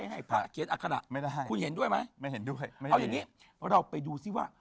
เอาอย่างงี้เราไปดูสิว่า